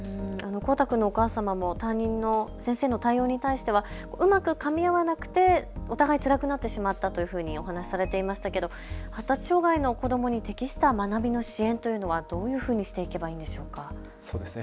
コウタ君のお母様も担任の先生の対応に対してはうまくかみ合わなくてお互いつらくなってしまったというふうにお話をされていましたけど発達障害の子どもに適した学びの支援というのはどういうふうにしていけばいいんでしょうか。